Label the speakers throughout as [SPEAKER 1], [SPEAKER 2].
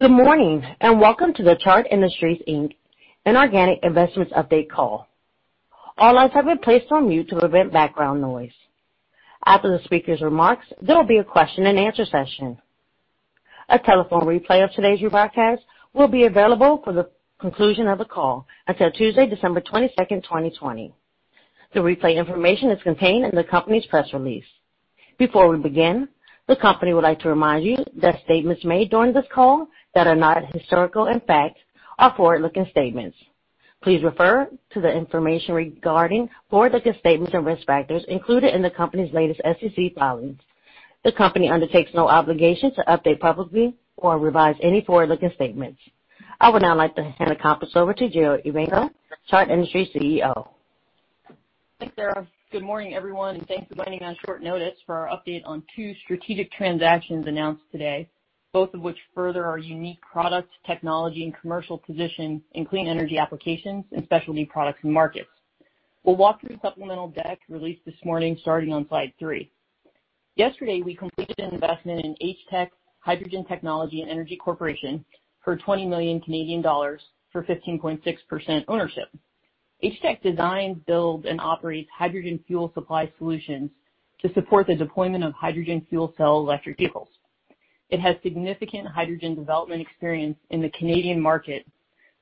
[SPEAKER 1] Good morning and welcome to the Chart Industries Inc Inorganic Investments Update call. All lines have been placed on mute to prevent background noise. After the speaker's remarks, there will be a question-and-answer session. A telephone replay of today's broadcast will be available for the conclusion of the call until Tuesday, December 22nd, 2020. The replay information is contained in the company's press release. Before we begin, the company would like to remind you that statements made during this call that are not historical, in fact, are forward-looking statements. Please refer to the information regarding forward-looking statements and risk factors included in the company's latest SEC filings. The company undertakes no obligations to update publicly or revise any forward-looking statements. I would now like to hand the conference over to Jill Evanko, Chart Industries CEO.
[SPEAKER 2] Thanks, Sarah. Good morning, everyone, and thanks for joining on short notice for our update on two strategic transactions announced today, both of which further our unique product technology and commercial position in clean energy applications and specialty products and markets. We'll walk through supplemental deck released this morning starting on slide three. Yesterday, we completed an investment in HTEC Hydrogen Technology and Energy Corporation for 20 million Canadian dollars for 15.6% ownership. HTEC designs, builds, and operates hydrogen fuel supply solutions to support the deployment of hydrogen fuel cell electric vehicles. It has significant hydrogen development experience in the Canadian market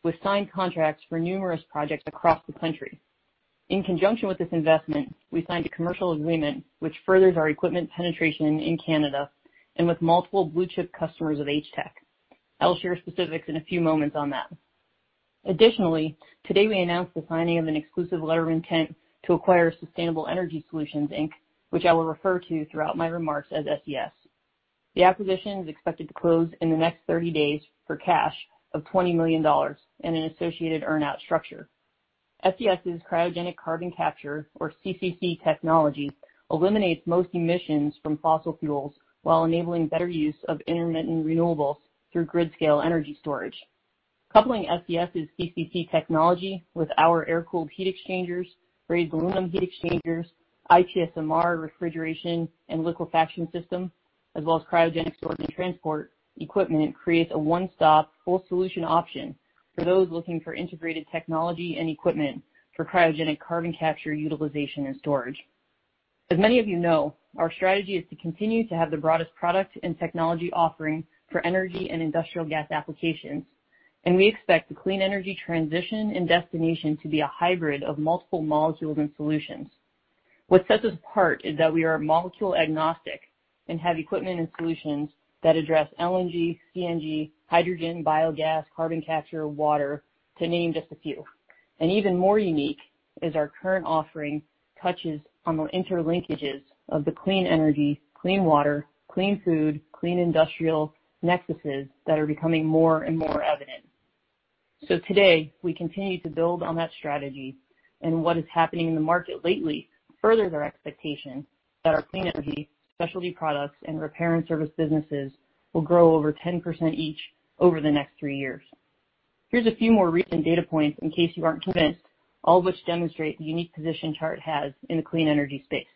[SPEAKER 2] with signed contracts for numerous projects across the country. In conjunction with this investment, we signed a commercial agreement which furthers our equipment penetration in Canada and with multiple blue-chip customers of HTEC. I'll share specifics in a few moments on that. Additionally, today we announced the signing of an exclusive letter of intent to acquire Sustainable Energy Solutions Inc, which I will refer to throughout my remarks as SES. The acquisition is expected to close in the next 30 days for cash of $20 million and an associated earn-out structure. SES's Cryogenic Carbon Capture, or CCC technology, eliminates most emissions from fossil fuels while enabling better use of intermittent renewables through grid-scale energy storage. Coupling SES's CCC technology with our air-cooled heat exchangers, brazed aluminum heat exchangers, IPSMR refrigeration and liquefaction system, as well as cryogenic storage and transport equipment, creates a one-stop full solution option for those looking for integrated technology and equipment for cryogenic carbon capture utilization and storage. As many of you know, our strategy is to continue to have the broadest product and technology offering for energy and industrial gas applications, and we expect the clean energy transition and destination to be a hybrid of multiple molecules and solutions. What sets us apart is that we are molecule agnostic and have equipment and solutions that address LNG, CNG, hydrogen, biogas, carbon capture, and water, to name just a few, and even more unique is our current offering touches on the interlinkages of the clean energy, clean water, clean food, clean industrial nexuses that are becoming more and more evident. So today, we continue to build on that strategy, and what is happening in the market lately furthers our expectation that our clean energy, specialty products, and repair and service businesses will grow over 10% each over the next three years. Here's a few more recent data points in case you aren't convinced, all of which demonstrate the unique position Chart has in the clean energy space.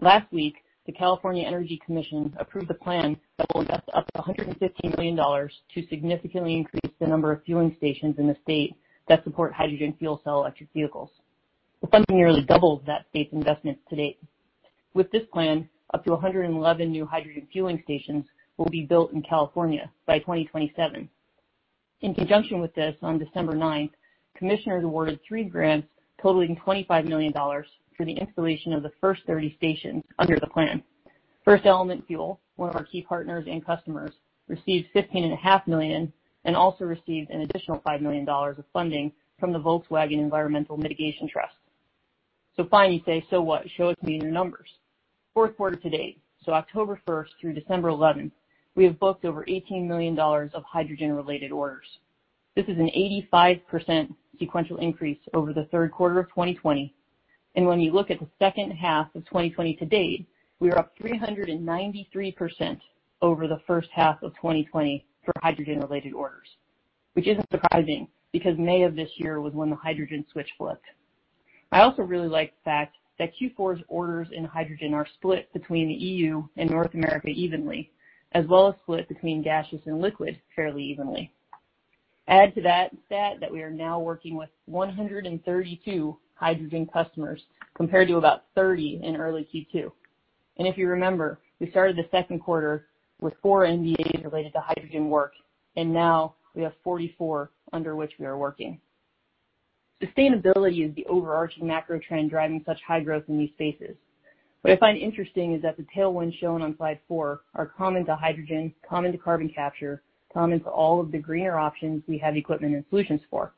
[SPEAKER 2] Last week, the California Energy Commission approved a plan that will invest up to $150 million to significantly increase the number of fueling stations in the state that support hydrogen fuel cell electric vehicles. The funding nearly doubles that state's investment to date. With this plan, up to 111 new hydrogen fueling stations will be built in California by 2027. In conjunction with this, on December 9th, commissioners awarded three grants totaling $25 million for the installation of the first 30 stations under the plan. FirstElement Fuel, one of our key partners and customers, received $15.5 million and also received an additional $5 million of funding from the Volkswagen Environmental Mitigation Trust. So fine, you say, so what? Show us meaning and numbers. Fourth quarter to date, so October 1st through December 11th, we have booked over $18 million of hydrogen-related orders. This is an 85% sequential increase over the third quarter of 2020, and when you look at the second half of 2020 to date, we are up 393% over the first half of 2020 for hydrogen-related orders, which isn't surprising because May of this year was when the hydrogen switch flipped. I also really like the fact that Q4's orders in hydrogen are split between the EU and North America evenly, as well as split between gaseous and liquid fairly evenly. Add to that that we are now working with 132 hydrogen customers compared to about 30 in early Q2, and if you remember, we started the second quarter with four NDAs related to hydrogen work, and now we have 44 under which we are working. Sustainability is the overarching macro trend driving such high growth in these spaces. What I find interesting is that the tailwinds shown on slide four are common to hydrogen, common to carbon capture, common to all of the greener options we have equipment and solutions for.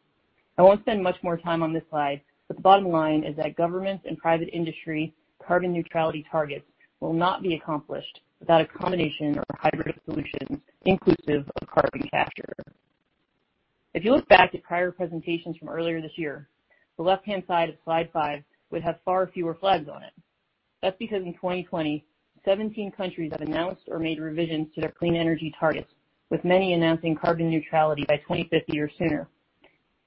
[SPEAKER 2] I won't spend much more time on this slide, but the bottom line is that government and private industry carbon neutrality targets will not be accomplished without a combination or hybrid of solutions inclusive of carbon capture. If you look back at prior presentations from earlier this year, the left-hand side of slide five would have far fewer flags on it. That's because in 2020, 17 countries have announced or made revisions to their clean energy targets, with many announcing carbon neutrality by 2050 or sooner.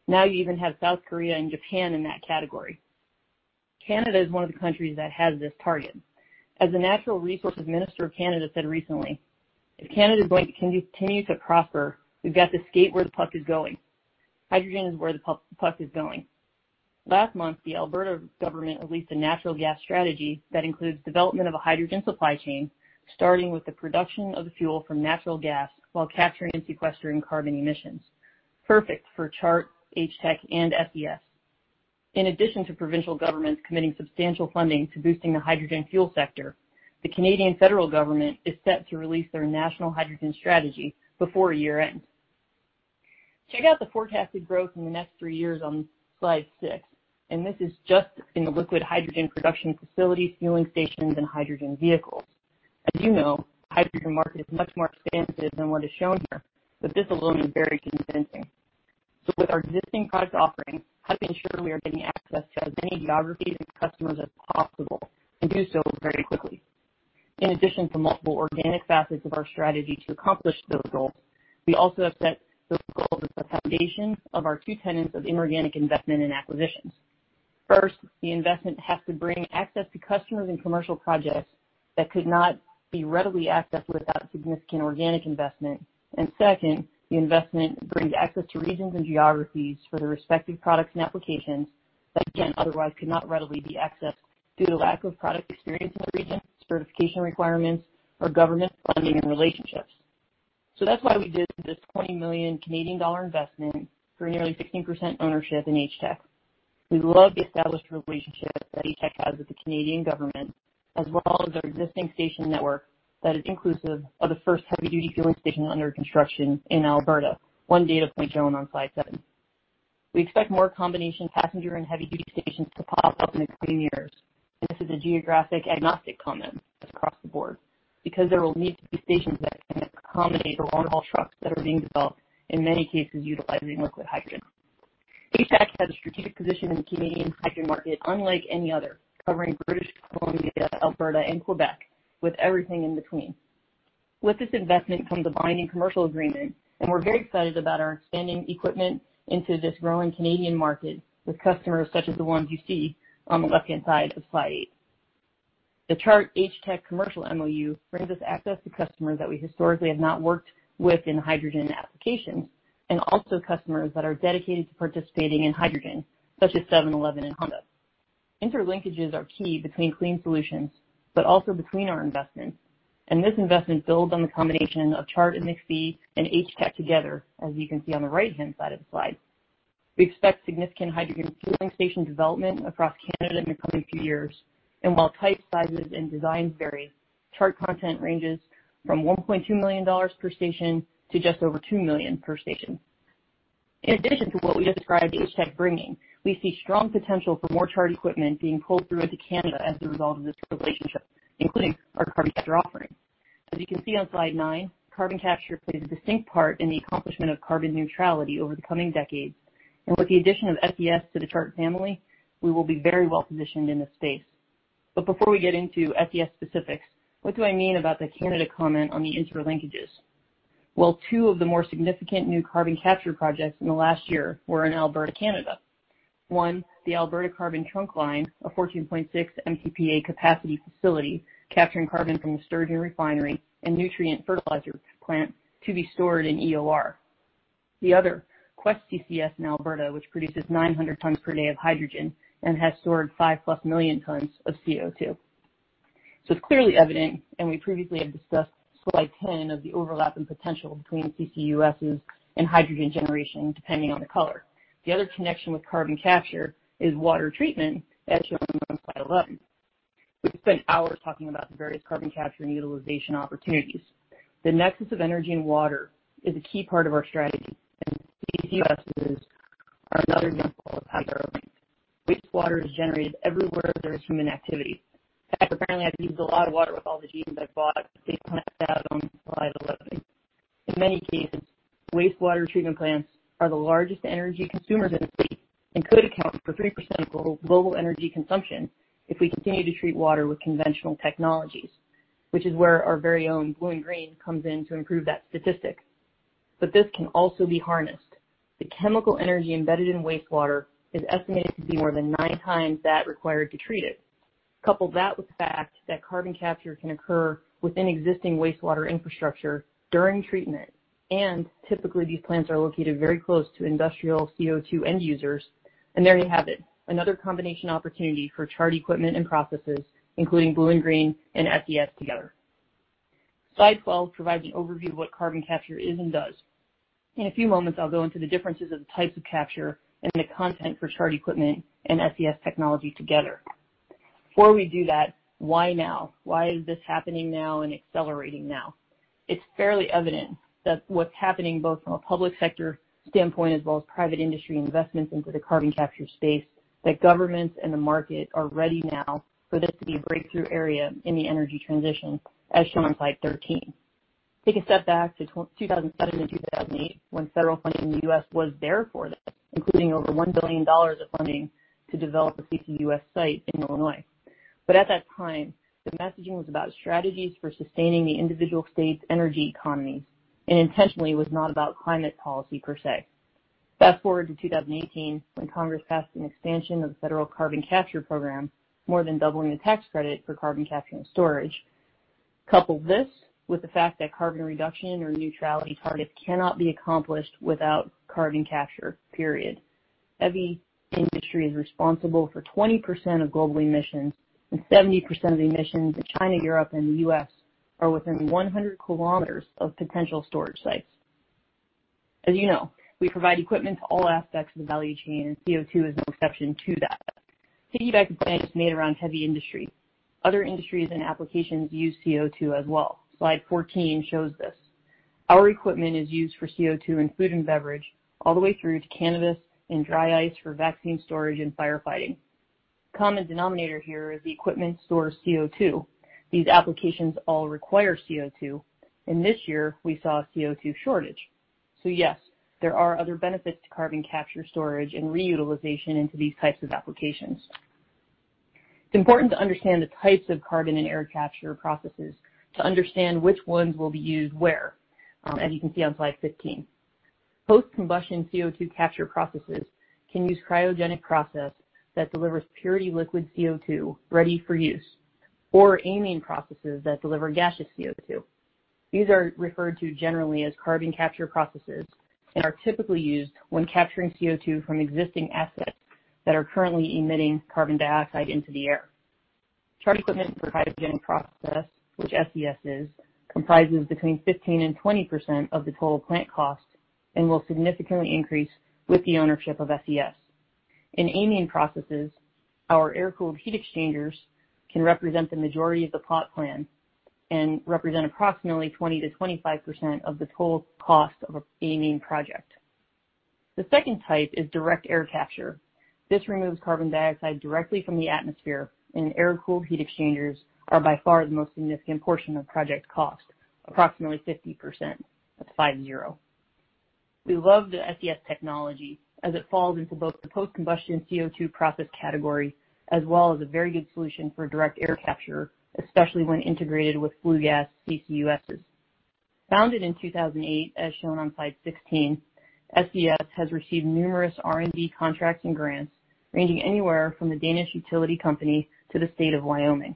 [SPEAKER 2] Now you even have South Korea and Japan in that category. Canada is one of the countries that has this target. As the Natural Resources Minister of Canada said recently, if Canada is going to continue to prosper, we've got to skate where the puck is going. Hydrogen is where the puck is going. Last month, the Alberta government released a natural gas strategy that includes the development of a hydrogen supply chain starting with the production of fuel from natural gas while capturing and sequestering carbon emissions. Perfect for Chart, HTEC, and SES. In addition to provincial governments committing substantial funding to boosting the hydrogen fuel sector, the Canadian federal government is set to release their national hydrogen strategy before year-end. Check out the forecasted growth in the next three years on slide six, and this is just in the liquid hydrogen production facilities, fueling stations, and hydrogen vehicles. As you know, the hydrogen market is much more expansive than what is shown here, but this alone is very convincing. So with our existing product offering, how do we ensure we are getting access to as many geographies and customers as possible and do so very quickly? In addition to multiple organic facets of our strategy to accomplish those goals, we also have set those goals as the foundation of our two tenets of inorganic investment and acquisitions. First, the investment has to bring access to customers and commercial projects that could not be readily accessed without significant organic investment, and second, the investment brings access to regions and geographies for the respective products and applications that, again, otherwise could not readily be accessed due to lack of product experience in the region, certification requirements, or government funding and relationships. That's why we did this 20 million Canadian dollar investment for nearly 15% ownership in HTEC. We love the established relationship that HTEC has with the Canadian government, as well as our existing station network that is inclusive of the first heavy-duty fueling station under construction in Alberta, one data point shown on slide seven. We expect more combination passenger and heavy-duty stations to pop up in the coming years, and this is a geographic agnostic comment across the board because there will need to be stations that can accommodate the long-haul trucks that are being developed, in many cases utilizing liquid hydrogen. HTEC has a strategic position in the Canadian hydrogen market unlike any other, covering British Columbia, Alberta, and Quebec, with everything in between. With this investment comes a binding commercial agreement, and we're very excited about our expanding equipment into this growing Canadian market with customers such as the ones you see on the left-hand side of slide eight. The Chart HTEC commercial MOU brings us access to customers that we historically have not worked with in hydrogen applications and also customers that are dedicated to participating in hydrogen, such as 7-Eleven and Honda. Interlinkages are key between clean solutions, but also between our investments, and this investment builds on the combination of Chart and McPhy and HTEC together, as you can see on the right-hand side of the slide. We expect significant hydrogen fueling station development across Canada in the coming few years, and while type sizes and designs vary, Chart content ranges from $1.2 million per station to just over $2 million per station. In addition to what we described HTEC bringing, we see strong potential for more Chart equipment being pulled through into Canada as a result of this relationship, including our carbon capture offering. As you can see on slide nine, carbon capture plays a distinct part in the accomplishment of carbon neutrality over the coming decades, and with the addition of SES to the Chart family, we will be very well positioned in this space. But before we get into SES specifics, what do I mean about the Canada comment on the interlinkages? Well, two of the more significant new carbon capture projects in the last year were in Alberta, Canada. One, the Alberta Carbon Trunk Line, a 14.6 MTPA capacity facility capturing carbon from the Sturgeon Refinery and Nutrien Fertilizer Plant to be stored in EOR. The other, Quest CCS in Alberta, which produces 900 tons per day of hydrogen and has stored five plus million tons of CO2. So it's clearly evident, and we previously have discussed slide 10 of the overlap and potential between CCUSs and hydrogen generation depending on the color. The other connection with carbon capture is water treatment, as shown on slide 11. We spent hours talking about the various carbon capture and utilization opportunities. The nexus of energy and water is a key part of our strategy, and CCUSs are another example of how they are linked. Wastewater is generated everywhere there is human activity. In fact, apparently I've used a lot of water with all the jeans I've bought, so you can plant that on slide 11. In many cases, wastewater treatment plants are the largest energy consumers in the state and could account for 3% of global energy consumption if we continue to treat water with conventional technologies, which is where our very own Blue and Green comes in to improve that statistic. But this can also be harnessed. The chemical energy embedded in wastewater is estimated to be more than nine times that required to treat it. Couple that with the fact that carbon capture can occur within existing wastewater infrastructure during treatment, and typically these plants are located very close to industrial CO2 end users, and there you have it, another combination opportunity for Chart equipment and processes, including Blue and Green and SES together. Slide 12 provides an overview of what carbon capture is and does. In a few moments, I'll go into the differences of the types of capture and the content for Chart equipment and SES technology together. Before we do that, why now? Why is this happening now and accelerating now? It's fairly evident that what's happening both from a public sector standpoint as well as private industry investments into the carbon capture space, that governments and the market are ready now for this to be a breakthrough area in the energy transition, as shown on Slide 13. Take a step back to 2007 and 2008, when federal funding in the U.S. was there for them, including over $1 billion of funding to develop a CCUS site in Illinois. But at that time, the messaging was about strategies for sustaining the individual state's energy economies and intentionally was not about climate policy per se. Fast forward to 2018, when Congress passed an expansion of the federal carbon capture program, more than doubling the tax credit for carbon capture and storage. Couple this with the fact that carbon reduction or neutrality targets cannot be accomplished without carbon capture, period. Every industry is responsible for 20% of global emissions, and 70% of the emissions in China, Europe, and the U.S. are within 100 km of potential storage sites. As you know, we provide equipment to all aspects of the value chain, and CO2 is no exception to that. On the point I just made around heavy industry. Other industries and applications use CO2 as well. Slide 14 shows this. Our equipment is used for CO2 in food and beverage, all the way through to cannabis and dry ice for vaccine storage and firefighting. The common denominator here is the equipment stores CO2. These applications all require CO2, and this year we saw a CO2 shortage. So yes, there are other benefits to carbon capture, storage, and reutilization into these types of applications. It is important to understand the types of carbon and air capture processes to understand which ones will be used where, as you can see on slide 15. Post-combustion CO2 capture processes can use cryogenic processes that deliver pure liquid CO2 ready for use, or amine processes that deliver gaseous CO2. These are referred to generally as carbon capture processes and are typically used when capturing CO2 from existing assets that are currently emitting carbon dioxide into the air. Chart equipment for cryogenic process, which SES is, comprises between 15% and 20% of the total plant cost and will significantly increase with the ownership of SES. In amine processes, our air-cooled heat exchangers can represent the majority of the plot plan and represent approximately 20%-25% of the total cost of an amine project. The second type is direct air capture. This removes carbon dioxide directly from the atmosphere, and air-cooled heat exchangers are by far the most significant portion of project cost, approximately 50%. That's five-zero. We love the SES technology as it falls into both the post-combustion CO2 process category as well as a very good solution for direct air capture, especially when integrated with flue gas CCUSs. Founded in 2008, as shown on slide 16, SES has received numerous R&D contracts and grants ranging anywhere from the Danish utility company to the state of Wyoming.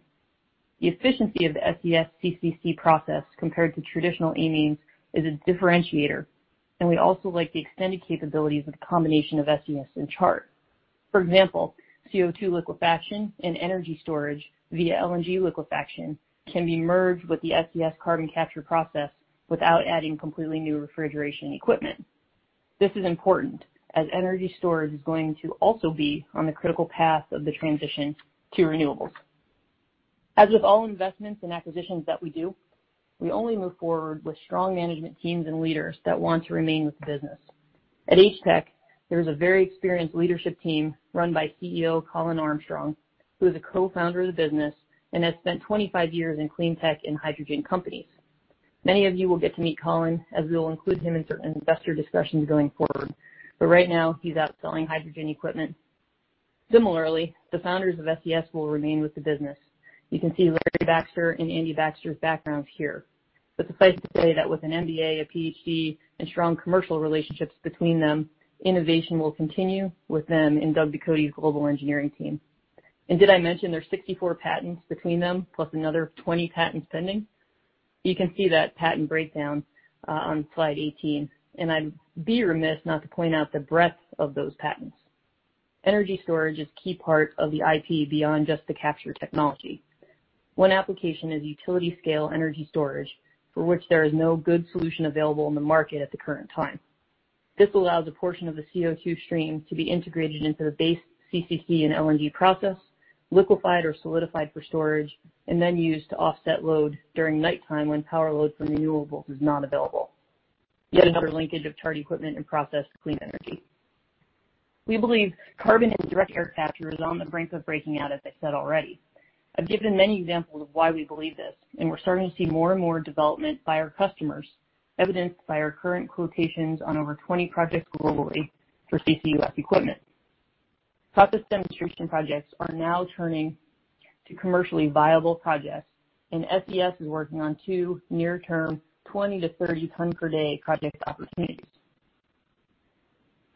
[SPEAKER 2] The efficiency of the SES CCC process compared to traditional amines is a differentiator, and we also like the extended capabilities of the combination of SES and Chart. For example, CO2 liquefaction and energy storage via LNG liquefaction can be merged with the SES carbon capture process without adding completely new refrigeration equipment. This is important as energy storage is going to also be on the critical path of the transition to renewables. As with all investments and acquisitions that we do, we only move forward with strong management teams and leaders that want to remain with the business. At HTEC, there is a very experienced leadership team run by CEO Colin Armstrong, who is a co-founder of the business and has spent 25 years in clean tech and hydrogen companies. Many of you will get to meet Colin as we will include him in certain investor discussions going forward, but right now he's out selling hydrogen equipment. Similarly, the founders of SES will remain with the business. You can see Larry Baxter and Andy Baxter's backgrounds here. But suffice to say that with an MBA, a PhD, and strong commercial relationships between them, innovation will continue with them and Doug Ducote's global engineering team. And did I mention there are 64 patents between them, plus another 20 patents pending? You can see that patent breakdown on slide 18, and I'd be remiss not to point out the breadth of those patents. Energy storage is a key part of the IP beyond just the capture technology. One application is utility-scale energy storage, for which there is no good solution available in the market at the current time. This allows a portion of the CO2 stream to be integrated into the base CCC and LNG process, liquefied or solidified for storage, and then used to offset load during nighttime when power load for renewables is not available. Yet another linkage of Chart equipment and process to clean energy. We believe carbon and direct air capture is on the brink of breaking out, as I said already. I've given many examples of why we believe this, and we're starting to see more and more development by our customers, evidenced by our current quotations on over 20 projects globally for CCUS equipment. Process demonstration projects are now turning to commercially viable projects, and SES is working on two near-term 20- to 30-ton-per-day project opportunities.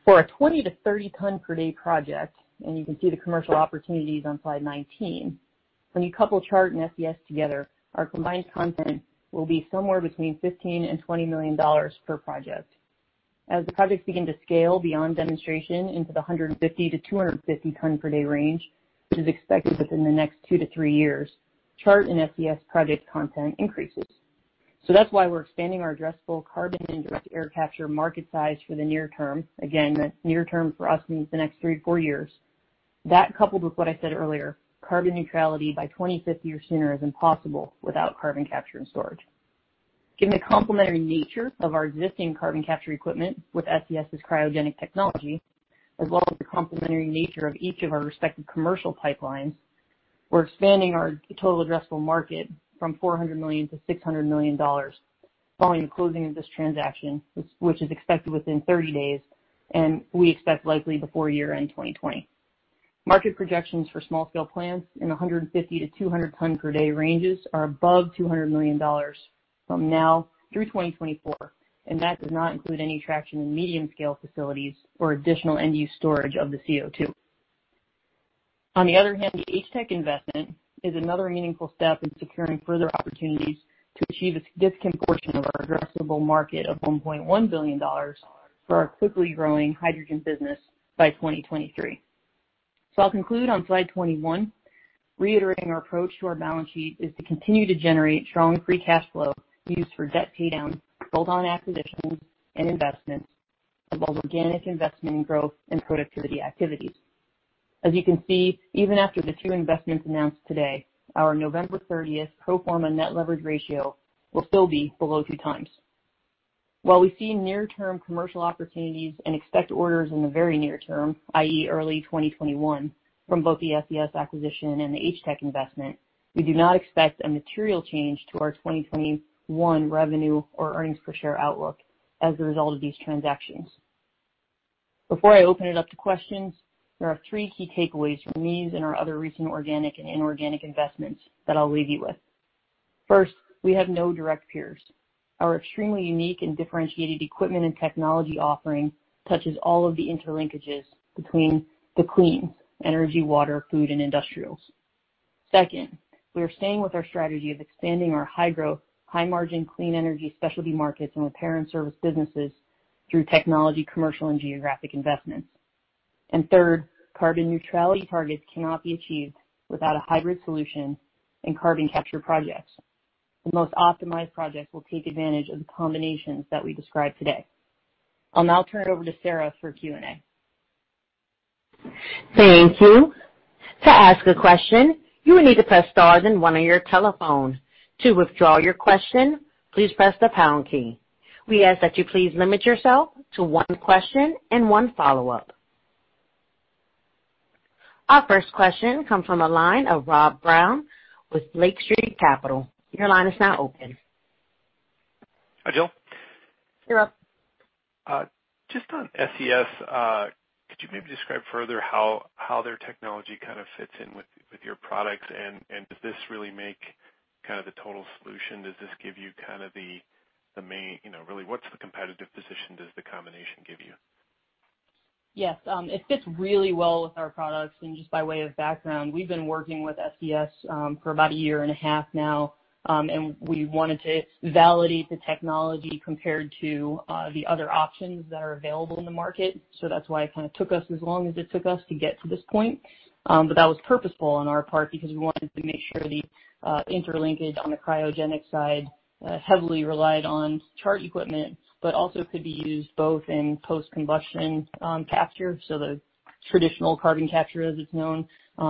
[SPEAKER 2] For a 20- to 30-ton-per-day project, and you can see the commercial opportunities on slide 19, when you couple Chart and SES together, our combined content will be somewhere between $15 million and $20 million per project. As the projects begin to scale beyond demonstration into the 150- to 250-ton-per-day range, which is expected within the next two to three years, Chart and SES project content increases, so that's why we're expanding our addressable carbon and direct air capture market size for the near term. Again, the near term for us means the next three to four years. That, coupled with what I said earlier, carbon neutrality by 2050 or sooner is impossible without carbon capture and storage. Given the complementary nature of our existing carbon capture equipment with SES's cryogenic technology, as well as the complementary nature of each of our respective commercial pipelines, we're expanding our total addressable market from $400 million-$600 million following the closing of this transaction, which is expected within 30 days, and we expect likely before year-end 2020. Market projections for small-scale plants in the 150 ton-200 ton per day ranges are above $200 million from now through 2024, and that does not include any traction in medium-scale facilities or additional end-use storage of the CO2. On the other hand, the HTEC investment is another meaningful step in securing further opportunities to achieve a significant portion of our addressable market of $1.1 billion for our quickly growing hydrogen business by 2023. So I'll conclude on slide 21. Reiterating our approach to our balance sheet is to continue to generate strong free cash flow used for debt paydown, bolt-on acquisitions, and investments of all organic investment and growth and productivity activities. As you can see, even after the two investments announced today, our November 30th pro forma net leverage ratio will still be below two times. While we see near-term commercial opportunities and expect orders in the very near term, i.e., early 2021, from both the SES acquisition and the HTEC investment, we do not expect a material change to our 2021 revenue or earnings per share outlook as a result of these transactions. Before I open it up to questions, there are three key takeaways from these and our other recent organic and inorganic investments that I'll leave you with. First, we have no direct peers. Our extremely unique and differentiated equipment and technology offering touches all of the interlinkages between the cleans: energy, water, food, and industrials. Second, we are staying with our strategy of expanding our high-growth, high-margin clean energy specialty markets and repair and service businesses through technology, commercial, and geographic investments. And third, carbon neutrality targets cannot be achieved without a hybrid solution and carbon capture projects. The most optimized projects will take advantage of the combinations that we described today. I'll now turn it over to Sarah for Q&A.
[SPEAKER 1] Thank you. To ask a question, you will need to press star and one on your telephone. To withdraw your question, please press the pound key. We ask that you please limit yourself to one question and one follow-up. Our first question comes from a line of Rob Brown with Lake Street Capital. Your line is now open.
[SPEAKER 3] Hi, Jill.
[SPEAKER 2] Hey, Rob.
[SPEAKER 3] Just on SES, could you maybe describe further how their technology kind of fits in with your products, and does this really make kind of the total solution? Does this give you kind of the main really, what's the competitive position does the combination give you?
[SPEAKER 2] Yes. It fits really well with our products. And just by way of background, we've been working with SES for about a year and a half now, and we wanted to validate the technology compared to the other options that are available in the market. So that's why it kind of took us as long as it took us to get to this point. But that was purposeful on our part because we wanted to make sure the interlinkage on the cryogenic side heavily relied on Chart equipment, but also could be used both in post-combustion capture, so the traditional carbon capture as it's known,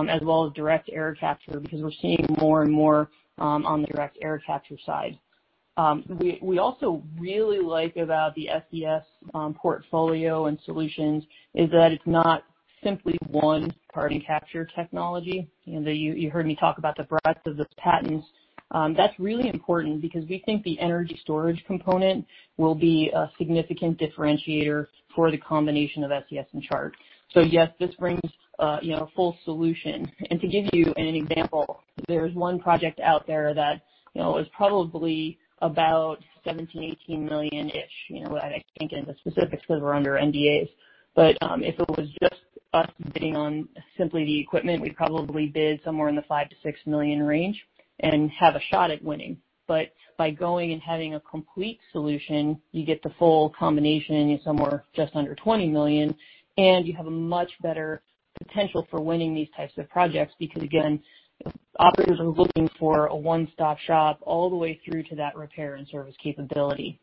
[SPEAKER 2] as well as direct air capture because we're seeing more and more on the direct air capture side. We also really like about the SES portfolio and solutions is that it's not simply one carbon capture technology. You heard me talk about the breadth of the patents. That's really important because we think the energy storage component will be a significant differentiator for the combination of SES and Chart. So yes, this brings a full solution. And to give you an example, there's one project out there that is probably about $17 million-$18 million-ish. I can't get into specifics because we're under NDAs. But if it was just us bidding on simply the equipment, we'd probably bid somewhere in the $5 million-$6 million range and have a shot at winning. But by going and having a complete solution, you get the full combination in somewhere just under $20 million, and you have a much better potential for winning these types of projects because, again, operators are looking for a one-stop shop all the way through to that repair and service capability.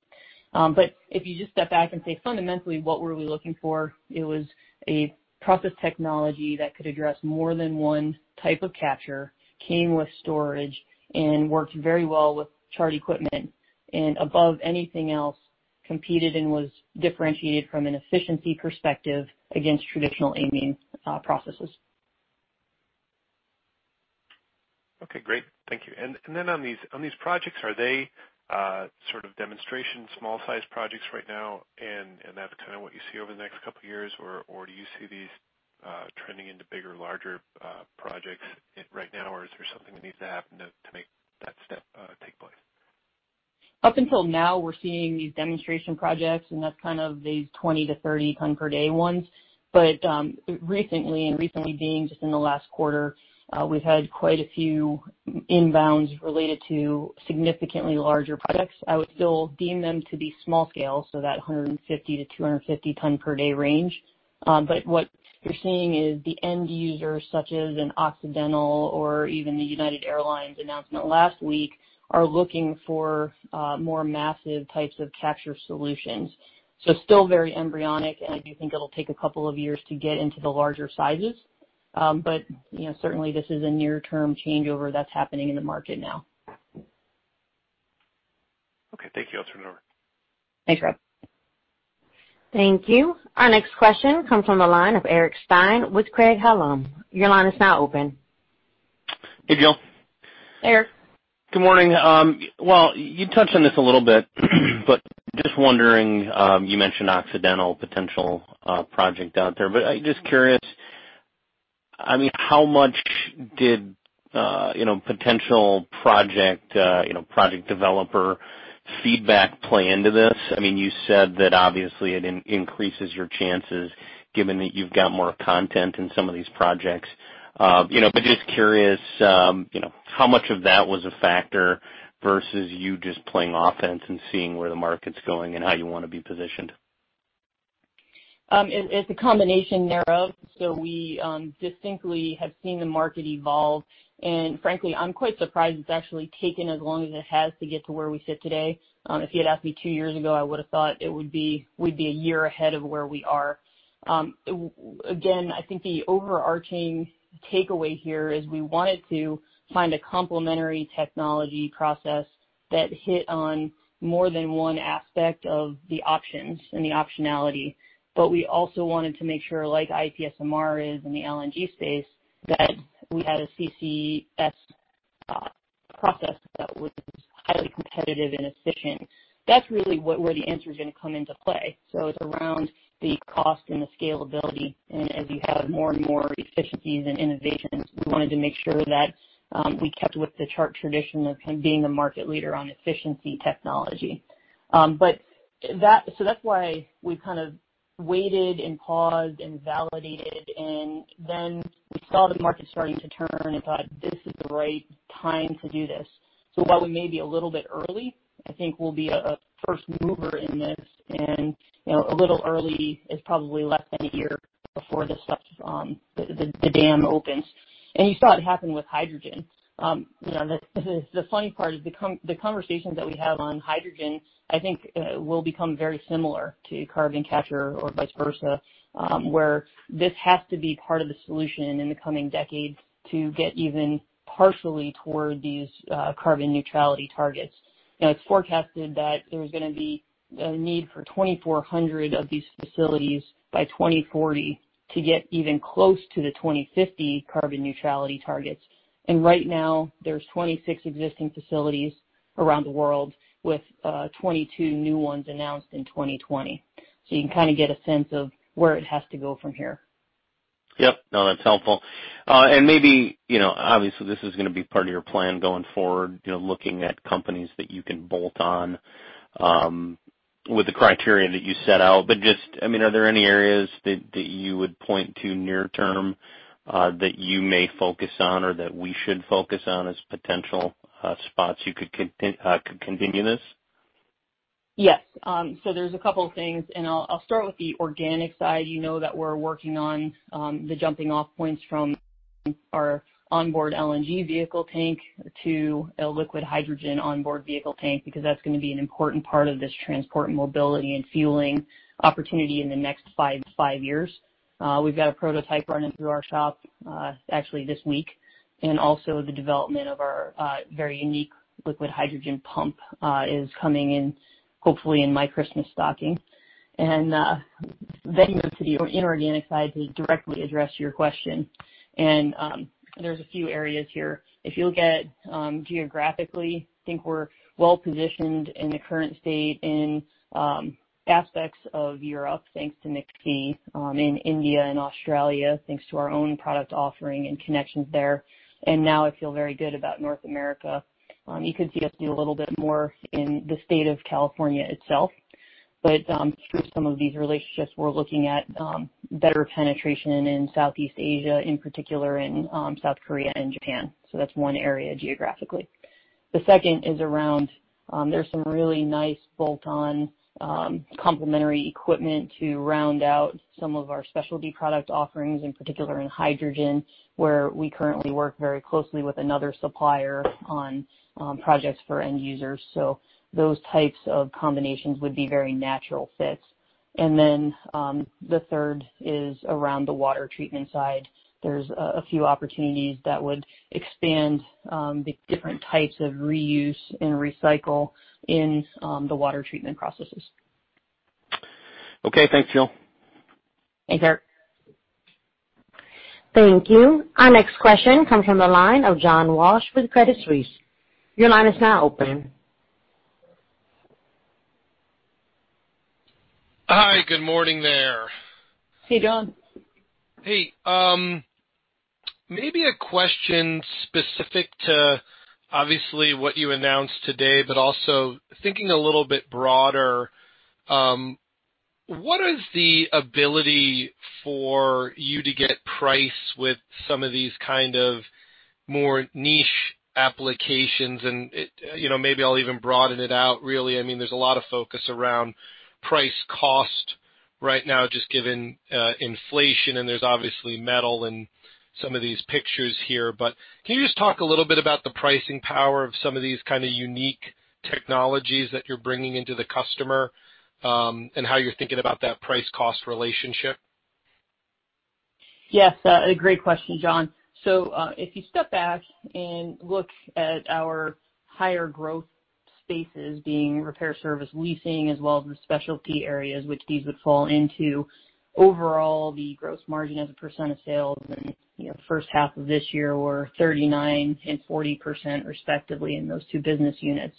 [SPEAKER 2] But if you just step back and say, "Fundamentally, what were we looking for?" It was a process technology that could address more than one type of capture, came with storage, and worked very well with Chart equipment, and above anything else, competed and was differentiated from an efficiency perspective against traditional amine processes.
[SPEAKER 3] Okay. Great. Thank you. Then on these projects, are they sort of demonstration small-size projects right now, and that's kind of what you see over the next couple of years, or do you see these trending into bigger, larger projects right now, or is there something that needs to happen to make that step take place?
[SPEAKER 2] Up until now, we're seeing these demonstration projects, and that's kind of these 20 ton-30 ton per day ones. But recently, and recently being just in the last quarter, we've had quite a few inbounds related to significantly larger projects. I would still deem them to be small-scale, so that 150 ton-250 ton per day range. But what you're seeing is the end users, such as an Occidental or even the United Airlines announcement last week, are looking for more massive types of capture solutions. So still very embryonic, and I do think it'll take a couple of years to get into the larger sizes. But certainly, this is a near-term changeover that's happening in the market now.
[SPEAKER 3] Okay. Thank you. I'll turn it over.
[SPEAKER 2] Thanks, Rob.
[SPEAKER 1] Thank you. Our next question comes from the line of Eric Stine with Craig-Hallum. Your line is now open.
[SPEAKER 4] Hey, Jill.
[SPEAKER 2] Hey, Eric.
[SPEAKER 4] Good morning. Well, you touched on this a little bit, but just wondering, you mentioned Occidental potential project out there, but I'm just curious, I mean, how much did potential project developer feedback play into this? I mean, you said that obviously it increases your chances given that you've got more content in some of these projects. But just curious, how much of that was a factor versus you just playing offense and seeing where the market's going and how you want to be positioned?
[SPEAKER 2] It's a combination thereof. So we distinctly have seen the market evolve. And frankly, I'm quite surprised it's actually taken as long as it has to get to where we sit today. If you had asked me two years ago, I would have thought we'd be a year ahead of where we are. Again, I think the overarching takeaway here is we wanted to find a complementary technology process that hit on more than one aspect of the options and the optionality. But we also wanted to make sure, like IPSMR is in the LNG space, that we had a CCS process that was highly competitive and efficient. That's really where the answer is going to come into play. So it's around the cost and the scalability. And as you have more and more efficiencies and innovations, we wanted to make sure that we kept with the Chart tradition of kind of being a market leader on efficiency technology. So that's why we've kind of waited and paused and validated, and then we saw the market starting to turn and thought, "This is the right time to do this." So while we may be a little bit early, I think we'll be a first mover in this, and a little early is probably less than a year before the dam opens. And you saw it happen with hydrogen. The funny part is the conversations that we have on hydrogen, I think, will become very similar to carbon capture or vice versa, where this has to be part of the solution in the coming decades to get even partially toward these carbon neutrality targets. It's forecasted that there's going to be a need for 2,400 of these facilities by 2040 to get even close to the 2050 carbon neutrality targets. And right now, there's 26 existing facilities around the world with 22 new ones announced in 2020. So you can kind of get a sense of where it has to go from here.
[SPEAKER 4] Yep. No, that's helpful. And maybe, obviously, this is going to be part of your plan going forward, looking at companies that you can bolt on with the criteria that you set out. But just, I mean, are there any areas that you would point to near-term that you may focus on or that we should focus on as potential spots you could continue this?
[SPEAKER 2] Yes. So there's a couple of things. And I'll start with the organic side. You know that we're working on the jumping-off points from our onboard LNG vehicle tank to a liquid hydrogen onboard vehicle tank because that's going to be an important part of this transport and mobility and fueling opportunity in the next five years. We've got a prototype running through our shop actually this week. And also the development of our very unique liquid hydrogen pump is coming in, hopefully, in my Christmas stocking. And then you move to the inorganic side to directly address your question. And there's a few areas here. If you look at geographically, I think we're well-positioned in the current state in aspects of Europe thanks to McPhy, in India and Australia, thanks to our own product offering and connections there, and now I feel very good about North America. You could see us do a little bit more in the state of California itself, but through some of these relationships, we're looking at better penetration in Southeast Asia, in particular in South Korea and Japan. So that's one area geographically. The second is around there's some really nice bolt-on complementary equipment to round out some of our specialty product offerings, in particular in hydrogen, where we currently work very closely with another supplier on projects for end users. So those types of combinations would be very natural fits, and then the third is around the water treatment side. There's a few opportunities that would expand the different types of reuse and recycle in the water treatment processes.
[SPEAKER 4] Okay. Thanks, Jill.
[SPEAKER 2] Thanks, Eric.
[SPEAKER 1] Thank you. Our next question comes from the line of John Walsh with Credit Suisse. Your line is now open.
[SPEAKER 5] Hi. Good morning there.
[SPEAKER 2] Hey, John.
[SPEAKER 5] Hey. Maybe a question specific to, obviously, what you announced today, but also thinking a little bit broader, what is the ability for you to get price with some of these kind of more niche applications? And maybe I'll even broaden it out. Really, I mean, there's a lot of focus around price cost right now just given inflation, and there's obviously metal in some of these pictures here. But can you just talk a little bit about the pricing power of some of these kind of unique technologies that you're bringing into the customer and how you're thinking about that price-cost relationship?
[SPEAKER 2] Yes. A great question, John. So if you step back and look at our higher growth spaces being repair service leasing as well as the specialty areas, which these would fall into, overall, the gross margin as a percent of sales. And first half of this year, we're 39% and 40% respectively in those two business units.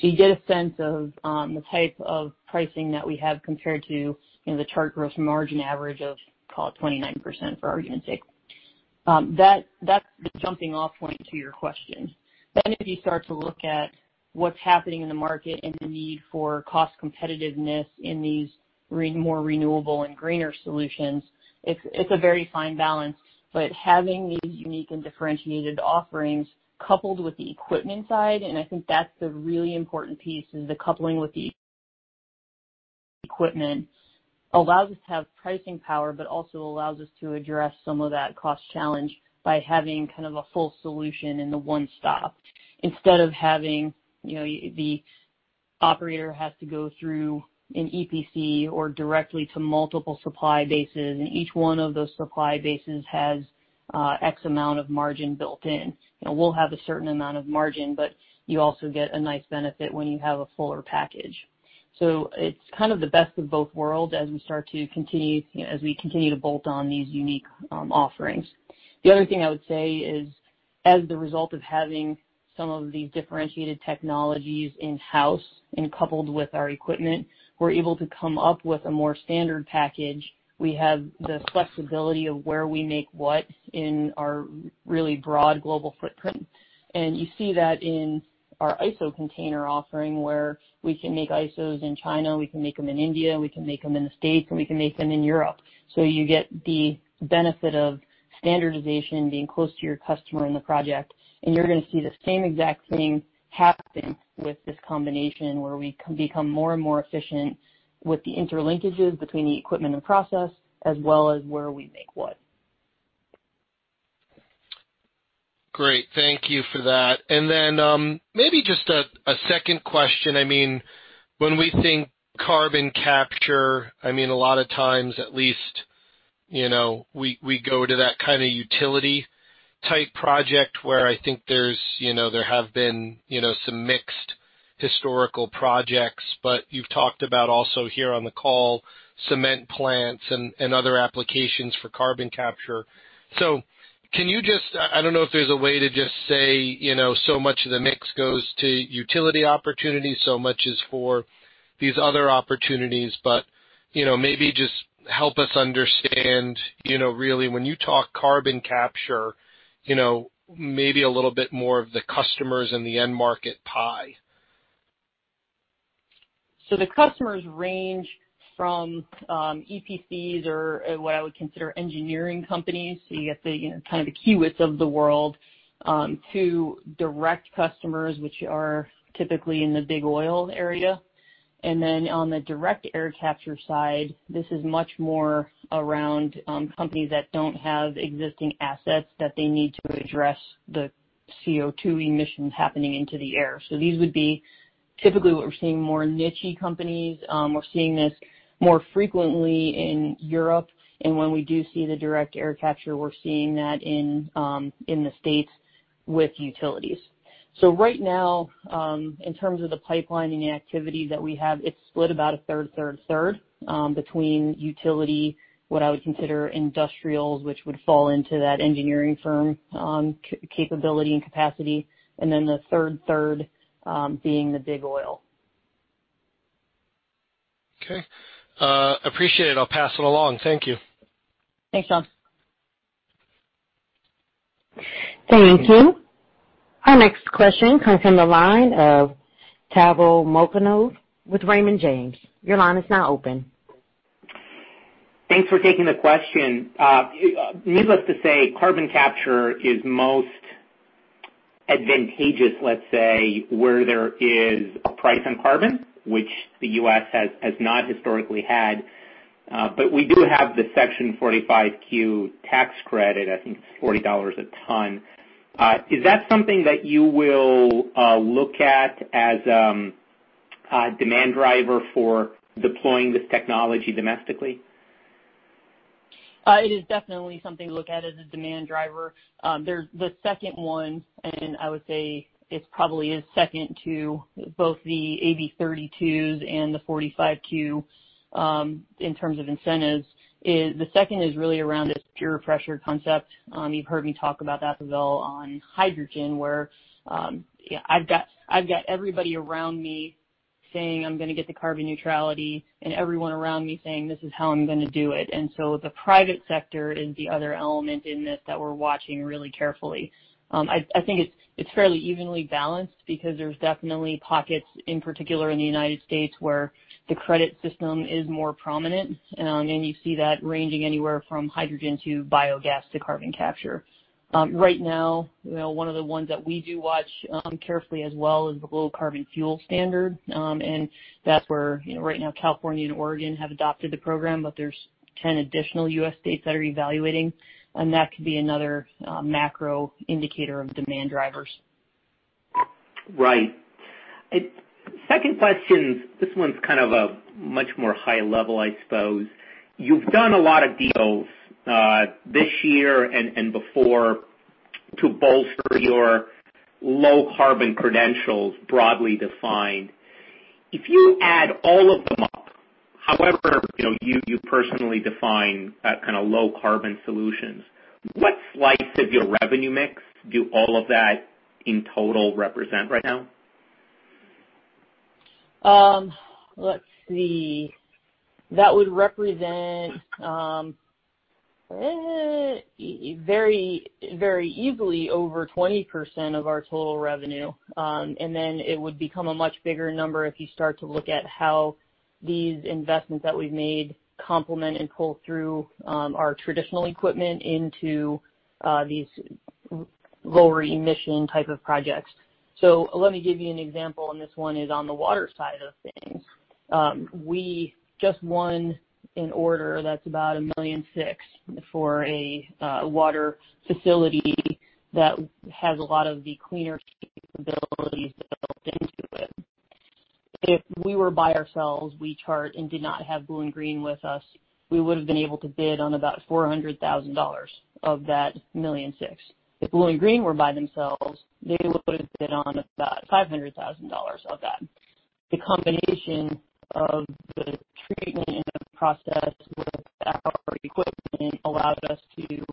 [SPEAKER 2] So you get a sense of the type of pricing that we have compared to the Chart gross margin average of, call it, 29% for argument's sake. That's the jumping-off point to your question. Then if you start to look at what's happening in the market and the need for cost competitiveness in these more renewable and greener solutions, it's a very fine balance. But having these unique and differentiated offerings coupled with the equipment side - and I think that's the really important piece - is the coupling with the equipment allows us to have pricing power, but also allows us to address some of that cost challenge by having kind of a full solution in the one stop. Instead of having the operator have to go through an EPC or directly to multiple supply bases, and each one of those supply bases has X amount of margin built in, we'll have a certain amount of margin, but you also get a nice benefit when you have a fuller package. It's kind of the best of both worlds as we continue to bolt on these unique offerings. The other thing I would say is, as the result of having some of these differentiated technologies in-house and coupled with our equipment, we're able to come up with a more standard package. We have the flexibility of where we make what in our really broad global footprint. And you see that in our ISO container offering where we can make ISOs in China, we can make them in India, we can make them in the States, and we can make them in Europe. You get the benefit of standardization being close to your customer in the project. And you're going to see the same exact thing happen with this combination where we become more and more efficient with the interlinkages between the equipment and process, as well as where we make what.
[SPEAKER 5] Great. Thank you for that. And then maybe just a second question. I mean, when we think carbon capture, I mean, a lot of times, at least, we go to that kind of utility-type project where I think there have been some mixed historical projects. But you've talked about also here on the call, cement plants and other applications for carbon capture. So can you just, I don't know if there's a way to just say so much of the mix goes to utility opportunities, so much is for these other opportunities. But maybe just help us understand, really, when you talk carbon capture, maybe a little bit more of the customers and the end market pie.
[SPEAKER 2] So the customers range from EPCs or what I would consider engineering companies. So you get the kind of the KBRs of the world to direct customers, which are typically in the big oil area. And then on the direct air capture side, this is much more around companies that don't have existing assets that they need to address the CO2 emissions happening into the air. So these would be typically what we're seeing more niche companies. We're seeing this more frequently in Europe. And when we do see the direct air capture, we're seeing that in the States with utilities. So right now, in terms of the pipeline and the activity that we have, it's split about a third, third, third between utility, what I would consider industrials, which would fall into that engineering firm capability and capacity, and then the third, third being the big oil.
[SPEAKER 5] Okay. Appreciate it. I'll pass it along. Thank you.
[SPEAKER 2] Thanks, John.
[SPEAKER 1] Thank you. Our next question comes from the line of Pavel Molchanov with Raymond James. Your line is now open.
[SPEAKER 6] Thanks for taking the question. Needless to say, carbon capture is most advantageous, let's say, where there is a price on carbon, which the U.S. has not historically had. But we do have the Section 45Q tax credit. I think it's $40 a ton. Is that something that you will look at as a demand driver for deploying this technology domestically?
[SPEAKER 2] It is definitely something to look at as a demand driver. The second one, and I would say it probably is second to both the AB 32 and the 45Q in terms of incentives. The second is really around this peer pressure concept. You've heard me talk about that development on hydrogen, where I've got everybody around me saying, "I'm going to get the carbon neutrality," and everyone around me saying, "This is how I'm going to do it." And so the private sector is the other element in this that we're watching really carefully. I think it's fairly evenly balanced because there's definitely pockets, in particular in the United States, where the credit system is more prominent. And you see that ranging anywhere from hydrogen to biogas to carbon capture. Right now, one of the ones that we do watch carefully as well is the low carbon fuel standard. That's where right now California and Oregon have adopted the program, but there's 10 additional U.S. states that are evaluating. That could be another macro indicator of demand drivers.
[SPEAKER 6] Right. Second question. This one's kind of a much more high level, I suppose. You've done a lot of deals this year and before to bolster your low carbon credentials, broadly defined. If you add all of them up, however you personally define kind of low carbon solutions, what slice of your revenue mix do all of that in total represent right now?
[SPEAKER 2] Let's see. That would represent very easily over 20% of our total revenue. Then it would become a much bigger number if you start to look at how these investments that we've made complement and pull through our traditional equipment into these lower emission type of projects. Let me give you an example. This one is on the water side of things. We just won an order that's about $1.6 million for a water facility that has a lot of the cleaner capabilities built into it. If we were by ourselves, we, Chart, and did not have Blue and Green with us, we would have been able to bid on about $400,000 of that $1.6 million. If Blue and Green were by themselves, they would have bid on about $500,000 of that. The combination of the treatment and the process with our equipment allowed us to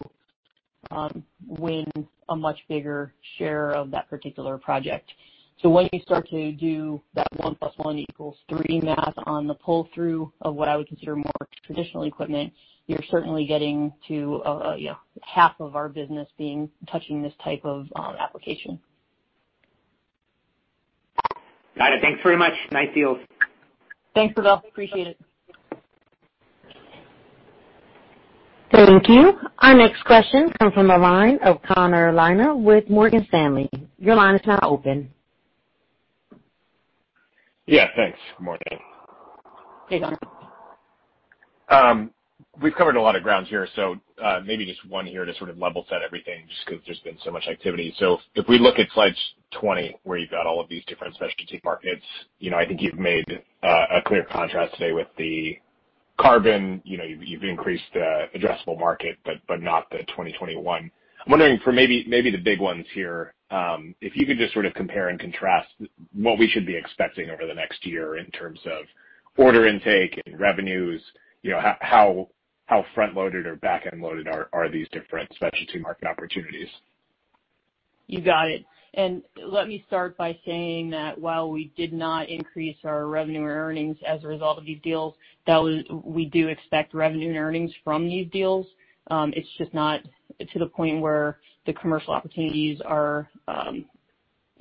[SPEAKER 2] win a much bigger share of that particular project. So when you start to do that one plus one equals three math on the pull-through of what I would consider more traditional equipment, you're certainly getting to half of our business being touching this type of application.
[SPEAKER 6] Got it. Thanks very much. Nice deals.
[SPEAKER 2] Thanks, Pavel. Appreciate it.
[SPEAKER 1] Thank you. Our next question comes from the line of Connor Lynagh with Morgan Stanley. Your line is now open.
[SPEAKER 7] Yeah. Thanks. Good morning.
[SPEAKER 2] Hey, Connor.
[SPEAKER 7] We've covered a lot of ground here. So maybe just one here to sort of level set everything just because there's been so much activity. So if we look at slide 20, where you've got all of these different specialty markets, I think you've made a clear contrast today with the carbon. You've increased the addressable market, but not the 2021. I'm wondering for maybe the big ones here, if you could just sort of compare and contrast what we should be expecting over the next year in terms of order intake and revenues, how front-loaded or back-end-loaded are these different specialty market opportunities?
[SPEAKER 2] You got it. Let me start by saying that while we did not increase our revenue or earnings as a result of these deals, we do expect revenue and earnings from these deals. It's just not to the point where the commercial opportunities are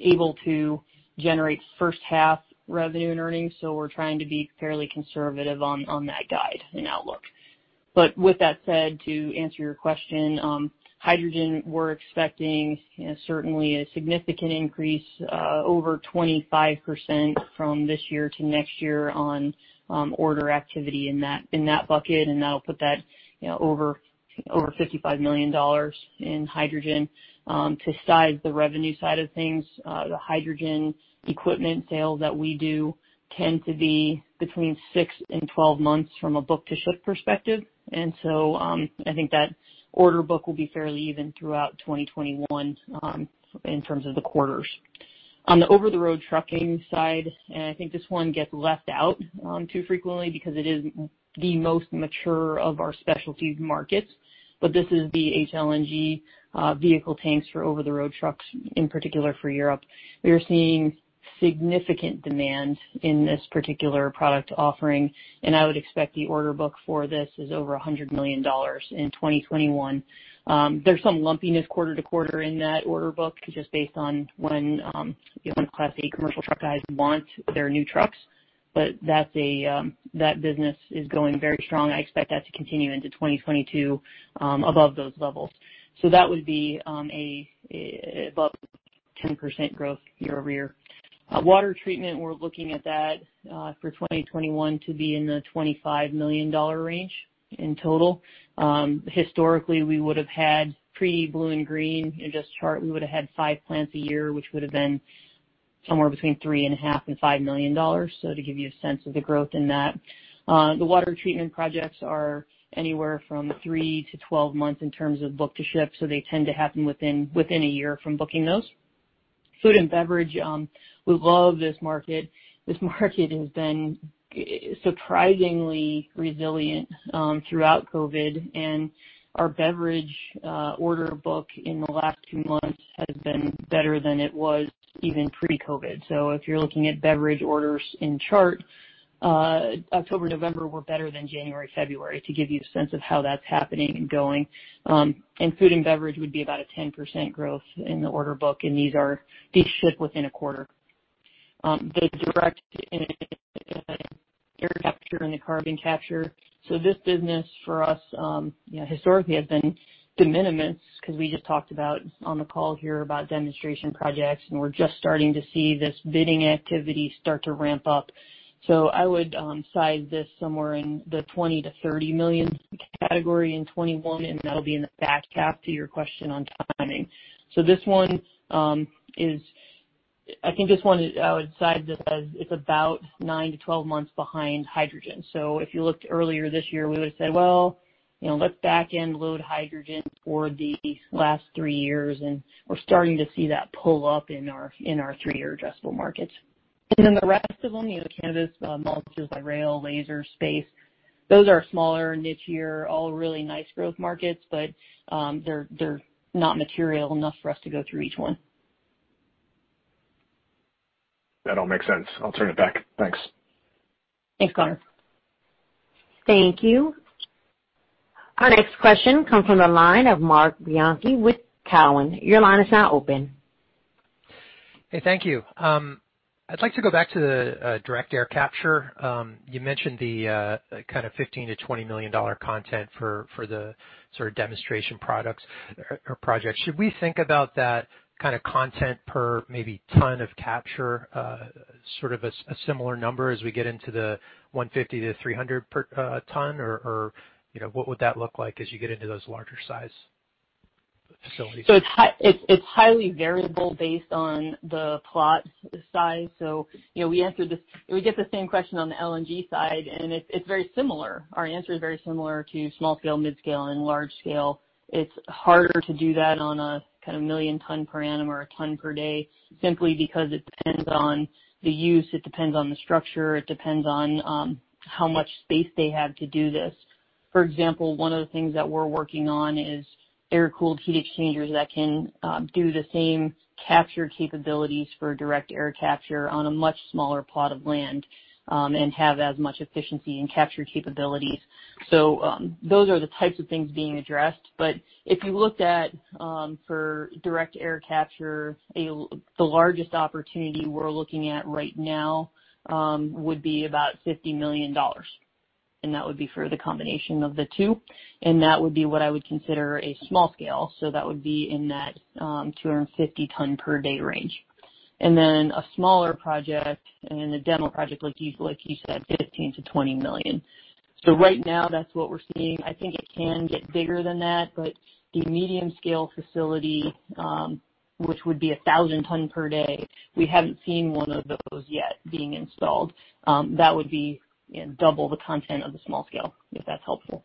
[SPEAKER 2] able to generate first-half revenue and earnings. We're trying to be fairly conservative on that guide and outlook. With that said, to answer your question, hydrogen, we're expecting certainly a significant increase, over 25% from this year to next year on order activity in that bucket. That'll put that over $55 million in hydrogen. To size the revenue side of things, the hydrogen equipment sales that we do tend to be between six and 12 months from a book-to-ship perspective. So I think that order book will be fairly even throughout 2021 in terms of the quarters. On the over-the-road trucking side, I think this one gets left out too frequently because it is the most mature of our specialty markets. But this is the HLNG vehicle tanks for over-the-road trucks, in particular for Europe. We are seeing significant demand in this particular product offering. And I would expect the order book for this is over $100 million in 2021. There's some lumpiness quarter to quarter in that order book just based on when Class A commercial truck guys want their new trucks. But that business is going very strong. I expect that to continue into 2022 above those levels. So that would be about 10% growth year-over-year. Water treatment, we're looking at that for 2021 to be in the $25 million range in total. Historically, we would have had pre-Blue and Green in just Chart. We would have had five plants a year, which would have been somewhere between $3.5 million-$5 million, so to give you a sense of the growth in that. The water treatment projects are anywhere from three to 12 months in terms of book-to-ship. So they tend to happen within a year from booking those. Food and beverage, we love this market. This market has been surprisingly resilient throughout COVID. And our beverage order book in the last two months has been better than it was even pre-COVID. So if you're looking at beverage orders in Chart, October, November were better than January, February to give you a sense of how that's happening and going. And food and beverage would be about a 10% growth in the order book and this ship within a quarter. The direct air capture and the carbon capture. So this business for us historically has been de minimis because we just talked about on the call here about demonstration projects. And we're just starting to see this bidding activity start to ramp up. So I would size this somewhere in the $20 million-$30 million category in 2021. And that'll be in the back half to your question on timing. So this one is I think this one I would size this as it's about nine to 12 months behind hydrogen. So if you looked earlier this year, we would have said, "Well, let's back-end load hydrogen for the last three years." And we're starting to see that pull up in our three-year addressable markets. And then the rest of them, cannabis, rail, laser, space, those are smaller niche year, all really nice growth markets. But they're not material enough for us to go through each one.
[SPEAKER 7] That all makes sense. I'll turn it back. Thanks.
[SPEAKER 2] Thanks, Connor.
[SPEAKER 1] Thank you. Our next question comes from the line of Marc Bianchi with Cowen. Your line is now open.
[SPEAKER 8] Hey, thank you. I'd like to go back to the direct air capture. You mentioned the kind of $15 million-$20 million content for the sort of demonstration products or projects. Should we think about that kind of content per maybe ton of capture, sort of a similar number as we get into the 150 ton-300 ton? Or what would that look like as you get into those larger size facilities?
[SPEAKER 2] So it's highly variable based on the plot size. So we answered this. We get the same question on the LNG side. And it's very similar. Our answer is very similar to small scale, mid-scale, and large scale. It's harder to do that on a kind of million ton per annum or a ton per day simply because it depends on the use. It depends on the structure. It depends on how much space they have to do this. For example, one of the things that we're working on is air-cooled heat exchangers that can do the same capture capabilities for direct air capture on a much smaller plot of land and have as much efficiency and capture capabilities. So those are the types of things being addressed. But if you looked at for direct air capture, the largest opportunity we're looking at right now would be about $50 million. And that would be for the combination of the two. And that would be what I would consider a small scale. That would be in that 250 tons per day range. And then a smaller project and a demo project, like you said, $15 million-$20 million. So right now, that's what we're seeing. I think it can get bigger than that. But the medium-scale facility, which would be 1,000 tons per day, we haven't seen one of those yet being installed. That would be double the content of the small scale, if that's helpful.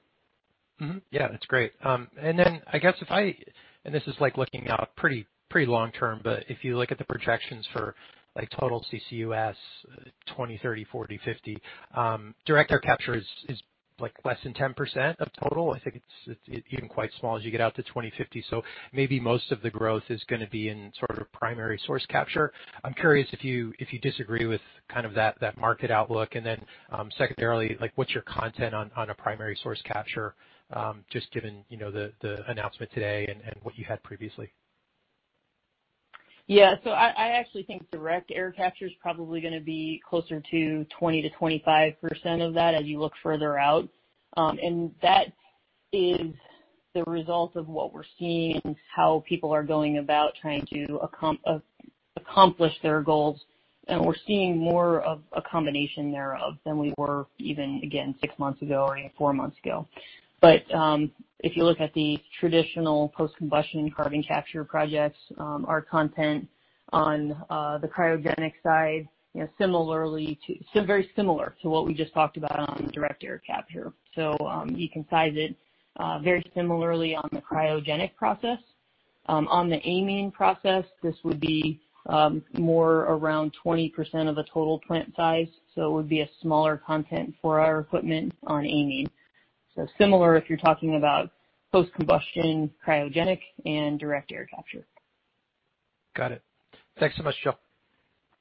[SPEAKER 8] Yeah. That's great. And then I guess if I and this is looking out pretty long term. But if you look at the projections for total CCUS 2030, 2040, 2050, direct air capture is less than 10% of total. I think it's even quite small as you get out to 2050. So maybe most of the growth is going to be in sort of primary source capture. I'm curious if you disagree with kind of that market outlook. And then secondarily, what's your comment on a point source capture just given the announcement today and what you had previously?
[SPEAKER 2] Yeah. So I actually think direct air capture is probably going to be closer to 20%-25% of that as you look further out. And that is the result of what we're seeing, how people are going about trying to accomplish their goals. And we're seeing more of a combination thereof than we were even, again, six months ago or even four months ago. But if you look at the traditional post-combustion capture projects, our comment on the cryogenic side is very similar to what we just talked about on direct air capture. So you can size it very similarly on the cryogenic process. On the amine process, this would be more around 20% of the total plant size. So it would be a smaller content for our equipment on amine. So similar if you're talking about post-combustion cryogenic and direct air capture.
[SPEAKER 8] Got it. Thanks so much, Jill.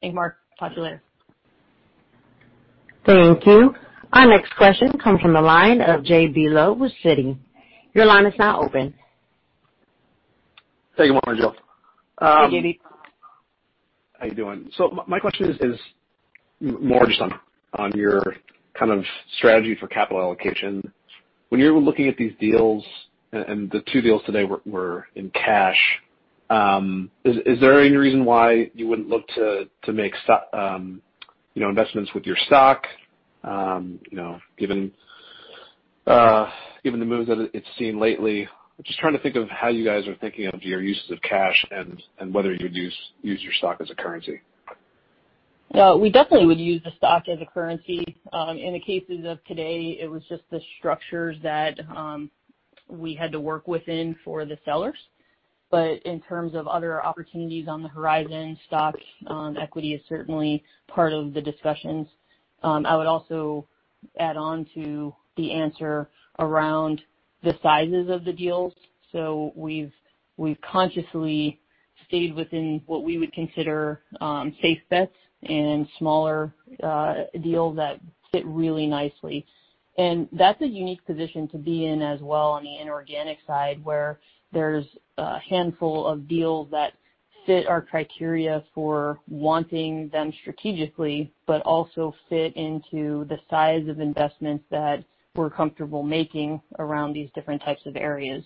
[SPEAKER 2] Thank you, Marc. Talk to you later.
[SPEAKER 1] Thank you. Our next question comes from the line of J.B. Lowe with Citi. Your line is now open.
[SPEAKER 9] Hey, good morning, Jill.
[SPEAKER 2] Hey, J.B.
[SPEAKER 9] How are you doing? So my question is more just on your kind of strategy for capital allocation. When you're looking at these deals, and the two deals today were in cash, is there any reason why you wouldn't look to make investments with your stock given the moves that it's seen lately? I'm just trying to think of how you guys are thinking of your uses of cash and whether you would use your stock as a currency.
[SPEAKER 2] We definitely would use the stock as a currency. In the cases of today, it was just the structures that we had to work within for the sellers. But in terms of other opportunities on the horizon, stock equity is certainly part of the discussions. I would also add on to the answer around the sizes of the deals. So we've consciously stayed within what we would consider safe bets and smaller deals that fit really nicely. And that's a unique position to be in as well on the inorganic side where there's a handful of deals that fit our criteria for wanting them strategically, but also fit into the size of investments that we're comfortable making around these different types of areas.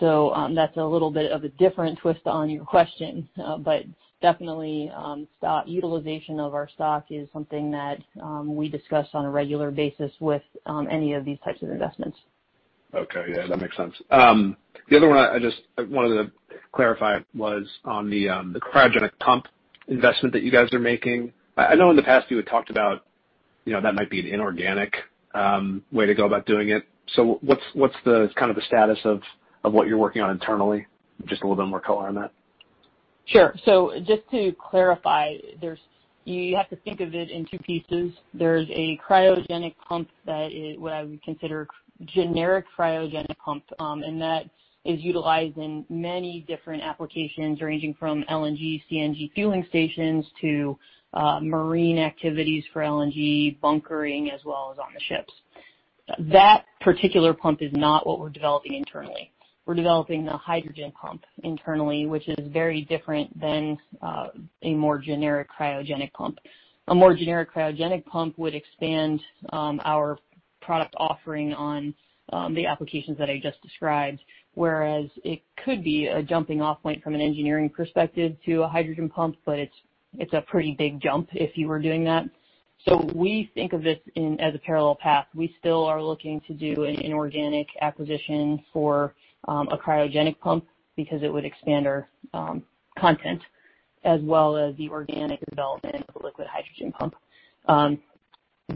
[SPEAKER 2] So that's a little bit of a different twist on your question. But definitely, stock utilization of our stock is something that we discuss on a regular basis with any of these types of investments.
[SPEAKER 9] Okay. Yeah. That makes sense. The other one I just wanted to clarify was on the cryogenic pump investment that you guys are making. I know in the past you had talked about that might be an inorganic way to go about doing it. So what's the kind of the status of what you're working on internally? Just a little bit more color on that.
[SPEAKER 2] Sure. So just to clarify, you have to think of it in two pieces. There's a cryogenic pump that is what I would consider generic cryogenic pump. And that is utilized in many different applications ranging from LNG, CNG fueling stations to marine activities for LNG bunkering as well as on the ships. That particular pump is not what we're developing internally. We're developing the hydrogen pump internally, which is very different than a more generic cryogenic pump. A more generic cryogenic pump would expand our product offering on the applications that I just described, whereas it could be a jumping-off point from an engineering perspective to a hydrogen pump. But it's a pretty big jump if you were doing that. So we think of this as a parallel path. We still are looking to do an inorganic acquisition for a cryogenic pump because it would expand our content as well as the organic development of a liquid hydrogen pump.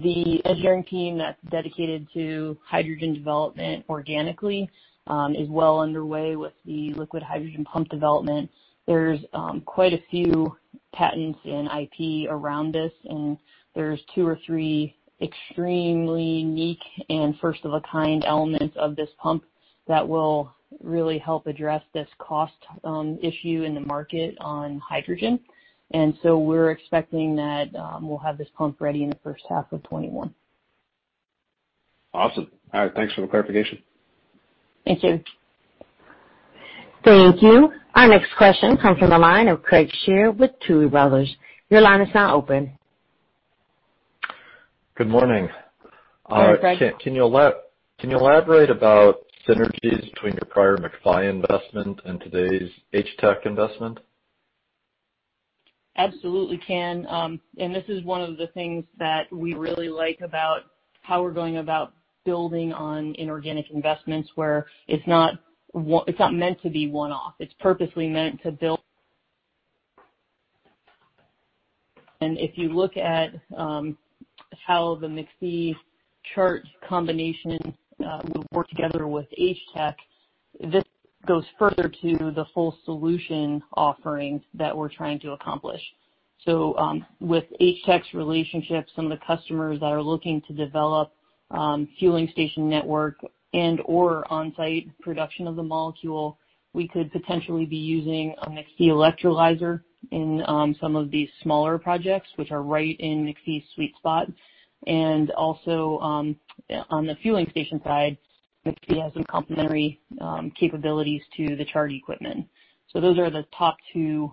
[SPEAKER 2] The engineering team that's dedicated to hydrogen development organically is well underway with the liquid hydrogen pump development. There's quite a few patents and IP around this. And there's two or three extremely unique and first-of-a-kind elements of this pump that will really help address this cost issue in the market on hydrogen. And so we're expecting that we'll have this pump ready in the first half of 2021.
[SPEAKER 9] Awesome. All right. Thanks for the clarification.
[SPEAKER 2] Thank you.
[SPEAKER 1] Thank you. Our next question comes from the line of Craig Shere with Tuohy Brothers. Your line is now open.
[SPEAKER 10] Good morning. Can you elaborate about synergies between your prior McPhy investment and today's HTEC investment?
[SPEAKER 2] Absolutely can. And this is one of the things that we really like about how we're going about building on inorganic investments where it's not meant to be one-off. It's purposely meant to build. If you look at how the McPhy Chart combination will work together with HTEC, this goes further to the full solution offering that we're trying to accomplish. With HTEC's relationship, some of the customers that are looking to develop fueling station network and/or on-site production of the molecule, we could potentially be using McPhy electrolyzer in some of these smaller projects, which are right in McPhy's sweet spot. Also on the fueling station side, McPhy has some complementary capabilities to the Chart equipment. Those are the top two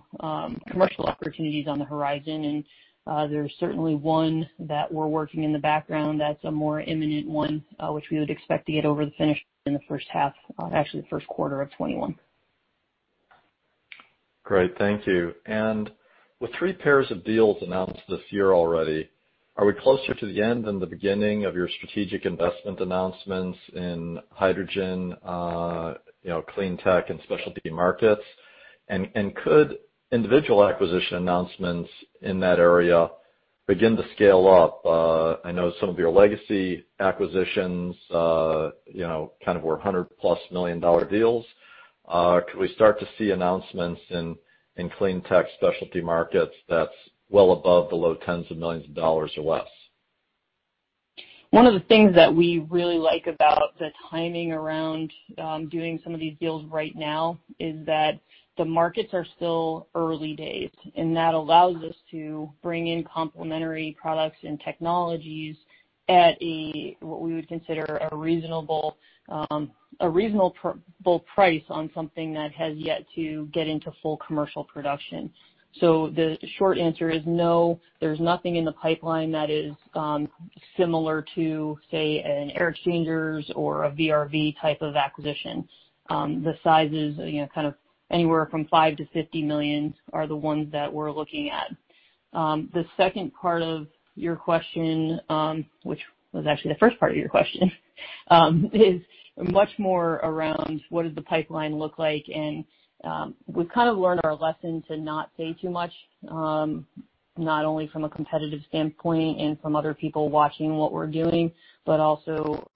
[SPEAKER 2] commercial opportunities on the horizon. There's certainly one that we're working in the background that's a more imminent one, which we would expect to get over the finish line in the first half, actually the first quarter of 2021.
[SPEAKER 10] Great. Thank you. With three pairs of deals announced this year already, are we closer to the end than the beginning of your strategic investment announcements in hydrogen, clean tech, and specialty markets? And could individual acquisition announcements in that area begin to scale up? I know some of your legacy acquisitions kind of were $100+ million deals. Could we start to see announcements in clean tech specialty markets that's well above the low tens of millions of dollars or less?
[SPEAKER 2] One of the things that we really like about the timing around doing some of these deals right now is that the markets are still early days. And that allows us to bring in complementary products and technologies at what we would consider a reasonable price on something that has yet to get into full commercial production. So the short answer is no. There's nothing in the pipeline that is similar to, say, an air exchangers or a VRV type of acquisition. The sizes kind of anywhere from five to 50 million are the ones that we're looking at. The second part of your question, which was actually the first part of your question, is much more around what does the pipeline look like. We've kind of learned our lesson to not say too much, not only from a competitive standpoint and from other people watching what we're doing, but also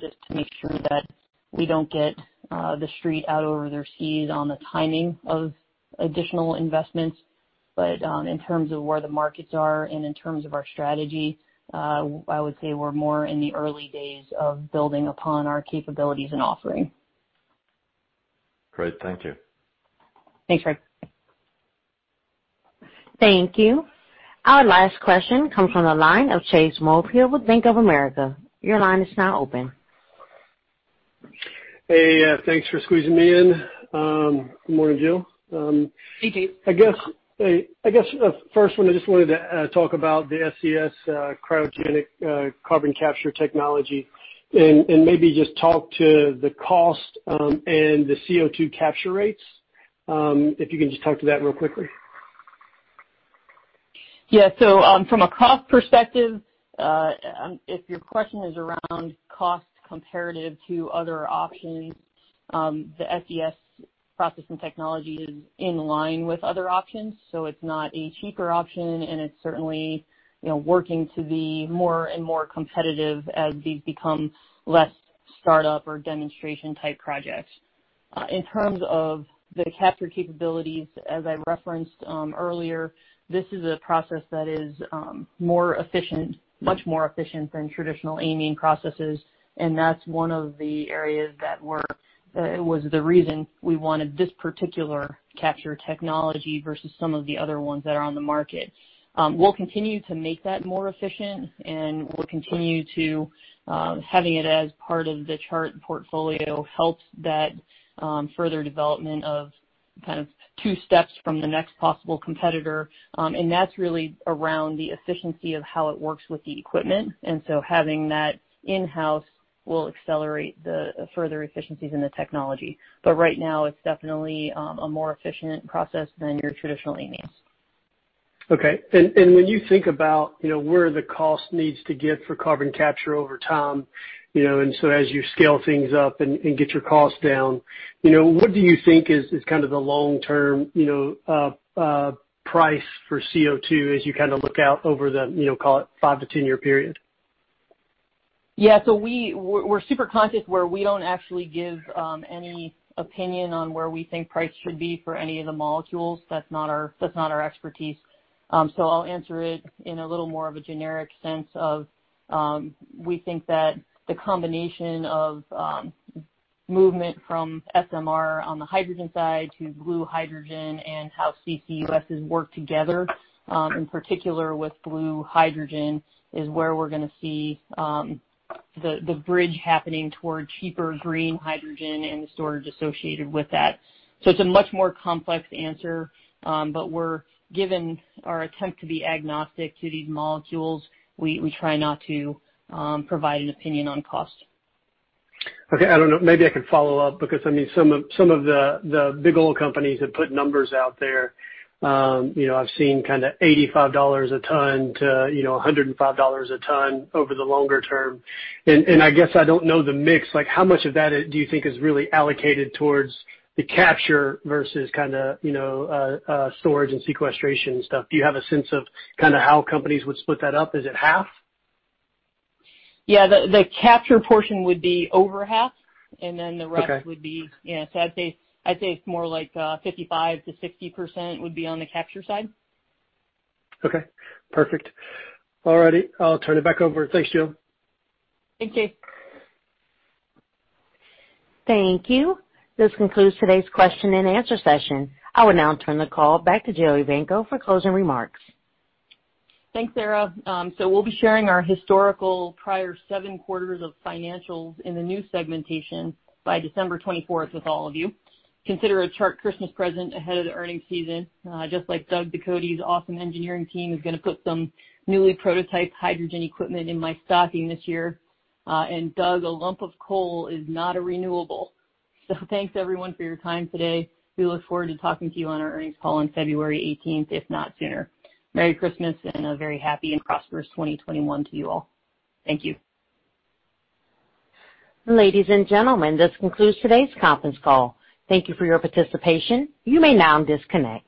[SPEAKER 2] just to make sure that we don't get the street out over their skis on the timing of additional investments. In terms of where the markets are and in terms of our strategy, I would say we're more in the early days of building upon our capabilities and offering.
[SPEAKER 10] Great. Thank you.
[SPEAKER 2] Thanks, Craig.
[SPEAKER 1] Thank you. Our last question comes from the line of Chase Mulvehill with Bank of America. Your line is now open.
[SPEAKER 11] Hey. Thanks for squeezing me in. Good morning, Jill.
[SPEAKER 2] Hey, Chase.
[SPEAKER 11] I guess the first one, I just wanted to talk about the SES's Cryogenic Carbon Capture technology and maybe just talk to the cost and the CO2 capture rates. If you can just talk to that real quickly.
[SPEAKER 2] Yeah. So from a cost perspective, if your question is around cost comparative to other options, the SES processing technology is in line with other options. So it's not a cheaper option. And it's certainly working to be more and more competitive as these become less startup or demonstration-type projects. In terms of the capture capabilities, as I referenced earlier, this is a process that is much more efficient than traditional amine processes. And that's one of the areas that was the reason we wanted this particular capture technology versus some of the other ones that are on the market. We'll continue to make that more efficient. And we'll continue to having it as part of the Chart portfolio helps that further development of kind of two steps from the next possible competitor. And that's really around the efficiency of how it works with the equipment. And so having that in-house will accelerate the further efficiencies in the technology. But right now, it's definitely a more efficient process than your traditional amines.
[SPEAKER 11] Okay. When you think about where the cost needs to get for carbon capture over time, and so as you scale things up and get your cost down, what do you think is kind of the long-term price for CO2 as you kind of look out over the, call it, five to 10-year period?
[SPEAKER 2] Yeah. So we're super conscious where we don't actually give any opinion on where we think price should be for any of the molecules. That's not our expertise. So I'll answer it in a little more of a generic sense of we think that the combination of movement from SMR on the hydrogen side to blue hydrogen and how CCUS has worked together, in particular with blue hydrogen, is where we're going to see the bridge happening toward cheaper green hydrogen and the storage associated with that. So it's a much more complex answer. But given our attempt to be agnostic to these molecules, we try not to provide an opinion on cost.
[SPEAKER 11] Okay. I don't know. Maybe I can follow up because, I mean, some of the big old companies have put numbers out there. I've seen kind of $85 a ton to $105 a ton over the longer term. And I guess I don't know the mix. How much of that do you think is really allocated towards the capture versus kind of storage and sequestration stuff? Do you have a sense of kind of how companies would split that up? Is it half?
[SPEAKER 2] Yeah. The capture portion would be over half. And then the rest would be so I'd say it's more like 55%-60% would be on the capture side.
[SPEAKER 11] Okay. Perfect. All righty. I'll turn it back over. Thanks, Jill.
[SPEAKER 2] Thank you.
[SPEAKER 1] Thank you. This concludes today's question-and-answer session. I will now turn the call back to Jill Evanko for closing remarks.
[SPEAKER 2] Thanks, Sarah. So we'll be sharing our historical prior seven quarters of financials in the new segmentation by December 24th with all of you. Consider a Chart Christmas present ahead of the earnings season. Just like Doug Ducote's awesome engineering team is going to put some newly prototyped hydrogen equipment in my stocking this year. And Doug, a lump of coal is not a renewable. So thanks, everyone, for your time today. We look forward to talking to you on our earnings call on February 18th, if not sooner. Merry Christmas and a very happy and prosperous 2021 to you all. Thank you.
[SPEAKER 1] Ladies and gentlemen, this concludes today's conference call. Thank you for your participation. You may now disconnect.